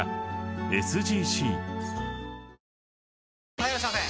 ・はいいらっしゃいませ！